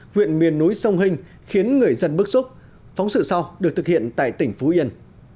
huyện miền núi sông hình khiến người dân bức xúc phóng sự sau được thực hiện tại tỉnh phú yên